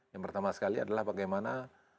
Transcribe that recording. yang pertama sekali adalah bagaimana